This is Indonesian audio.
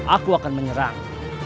aku akan menyerang